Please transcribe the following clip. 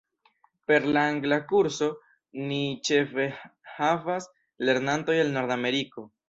Per la angla kurso, ni ĉefe havas lernantojn el Nordameriko.